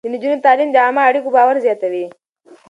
د نجونو تعليم د عامه اړيکو باور زياتوي.